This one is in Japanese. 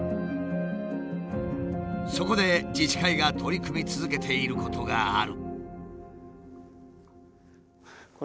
そこで自治会が取り組み続けていることがある。